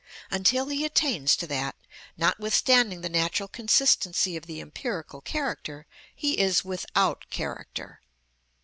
Until he attains to that, notwithstanding the natural consistency of the empirical character, he is without character.